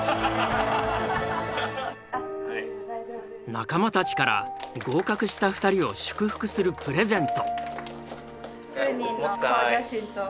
仲間たちから合格した２人を祝福するプレゼント。